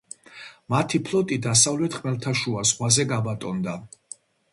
მათი ფლოტი დასავლეთ ხმელთაშუა ზღვაზე გაბატონდა.